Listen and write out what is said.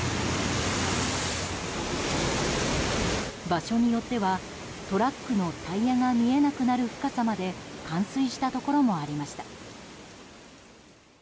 場所によっては、トラックのタイヤが見えなくなる深さまで冠水したところもありました。